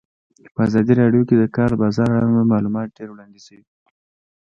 په ازادي راډیو کې د د کار بازار اړوند معلومات ډېر وړاندې شوي.